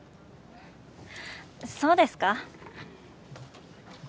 そうですか？